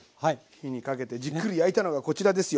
火にかけてじっくり焼いたのがこちらですよ。